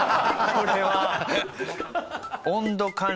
これは。